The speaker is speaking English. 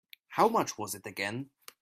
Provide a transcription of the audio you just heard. How much was it again?